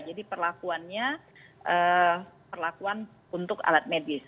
jadi perlakuannya perlakuan untuk alat medis